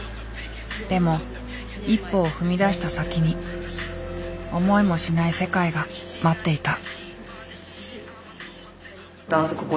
でも一歩を踏み出した先に思いもしない世界が待っていた。